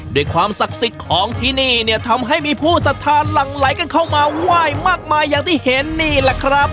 ด้วยความศักดิ์สิทธิ์ของที่นี่เนี่ยทำให้มีผู้สัทธาหลั่งไหลกันเข้ามาไหว้มากมายอย่างที่เห็นนี่แหละครับ